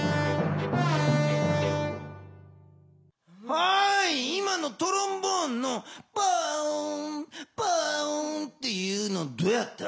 はい今のトロンボーンの「パオーンパオーン」っていうのどうやった？